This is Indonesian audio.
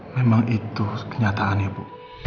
memang itu kenyataan ya ibu